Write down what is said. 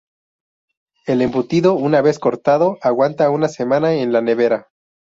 El embutido una vez cortado aguanta una semana en la nevera.